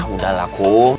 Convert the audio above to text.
udah lah kum